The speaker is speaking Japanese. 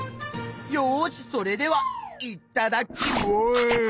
よしそれではいっただっきまぁす！